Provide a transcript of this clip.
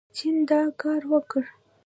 چین دا کار وکړ.